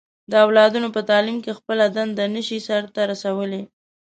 د اولادونو په تعليم کې خپله دنده نه شي سرته رسولی.